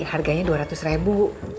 harganya dua ratus ribu